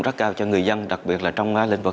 rất cao cho người dân đặc biệt là trong lĩnh vực